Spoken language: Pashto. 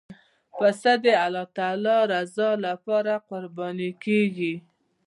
پسه د الله تعالی رضا لپاره قرباني کېږي.